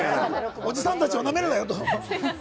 おじさんたちをなめるなよと。